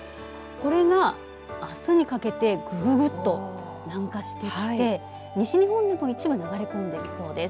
これがあすにかけてぐぐぐっと南下してきて西日本でも一部流れ込んできそうです。